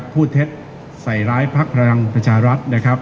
พูดเท็จใส่ร้ายพลักษณ์พลังประชารัฐ